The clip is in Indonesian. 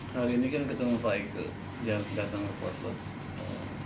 hari ini kan ketemu pak ike yang datang ke poskop